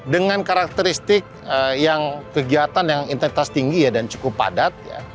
dengan karakteristik yang kegiatan yang intensitas tinggi dan cukup padat